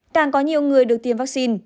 càng có nhiều người được tiêm vaccine